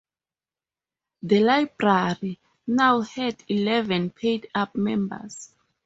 The library now had eleven paid-up members.